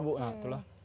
di atas sana itu bu